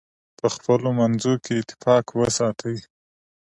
په خپلو منځونو کې اتفاق وساتئ.